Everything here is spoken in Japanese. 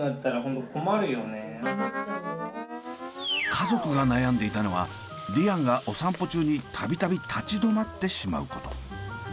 家族が悩んでいたのはリアンがお散歩中に度々立ち止まってしまうこと。